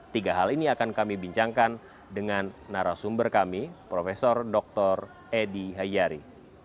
tiga hal ini akan kami bincangkan dengan narasumber kami prof dr edi hayari